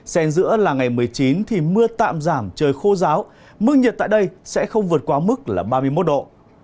xen giữa là ngày một mươi chín thì mưa tạm giảm trời khô giáo mức nhiệt tại đây sẽ không vượt qua mức là ba mươi một độ